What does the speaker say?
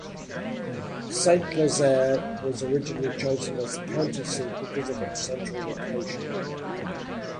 Saint-Lazare was originally chosen as the county seat because of its central location.